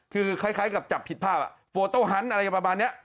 คือคล้ายกับจับผิดภาพโฟโต้ฮันต์อะไรประมาณนี้